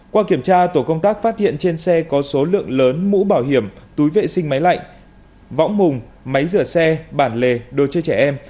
qua kiểm tra tổ công tác phát hiện trên xe có số lượng lớn mũ bảo hiểm túi vệ sinh máy lạnh võng hùng máy rửa xe bản lề đồ chơi trẻ em